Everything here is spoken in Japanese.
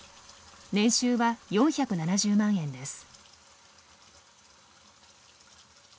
年収は４７０万円です。